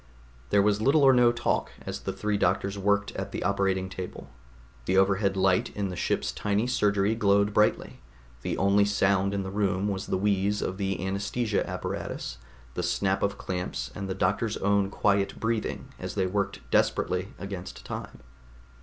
There was little or no talk as the three doctors worked at the operating table. The overhead light in the ship's tiny surgery glowed brightly; the only sound in the room was the wheeze of the anaesthesia apparatus, the snap of clamps and the doctors' own quiet breathing as they worked desperately against time.